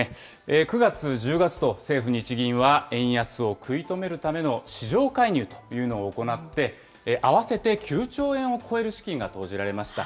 ９月、１０月と、政府・日銀は円安を食い止めるための市場介入というのを行って、合わせて９兆円を超える資金が投じられました。